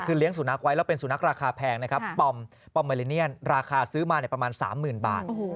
คือเลี้ยสุนัขไว้แล้วเป็นสุนัขราคาแพงนะครับปอมเมลิเนียนราคาซื้อมาประมาณ๓๐๐๐บาท